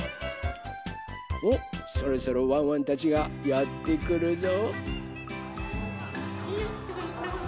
おっそろそろワンワンたちがやってくるぞ。